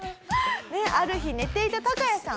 ある日寝ていたタカヤさん。